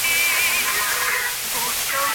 乔恩经常和不同的女性约会。